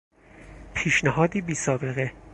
پیشنهادی بیسابقه